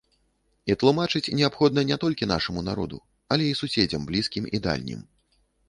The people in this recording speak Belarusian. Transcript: І тлумачыць неабходна не толькі нашаму народу, але і суседзям, блізкім і дальнім.